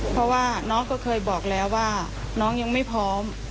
เพราะว่าน้องก็เคยบอกแล้วว่าน้องยังไม่พร้อม